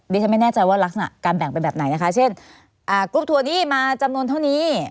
ฉันไม่แน่ใจว่ารักษณะการแบ่งเป็นแบบไหนนะคะเช่นกรุ๊ปทัวร์นี้มาจำนวนเท่านี้